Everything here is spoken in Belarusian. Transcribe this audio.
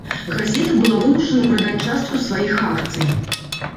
Газета была вымушана прадаць частку сваіх акцый.